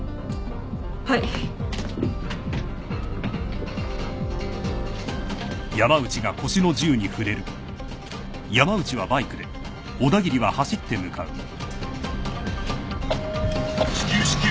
はい。至急至急。